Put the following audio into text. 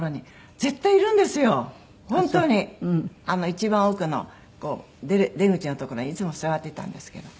一番奥の出口の所にいつも座っていたんですけど。